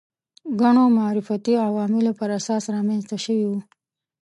ګڼو معرفتي عواملو پر اساس رامنځته شوي وو